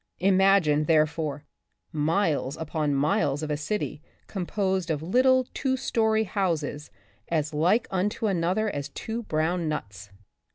Imagine, therefore, miles upon miles of a city composed of little two story houses as like one unto another as two brown nuts.